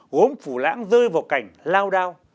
gốm phủ lãng rơi vào cảnh lao đao